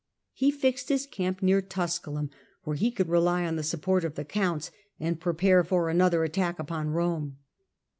He fixed his camp near Tusculum, where he could rely on the support of the counts and prepare for another attack upon Rome.